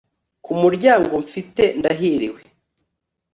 ku muryango mfite, ndahiriwe